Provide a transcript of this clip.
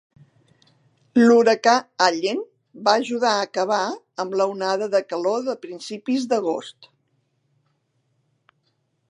L'huracà Allen va ajudar a acabar amb l'onada de calor de principis d'agost.